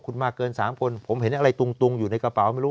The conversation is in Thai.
คุณมาเกิน๓คนผมเห็นอะไรตุงอยู่ในกระเป๋าไม่รู้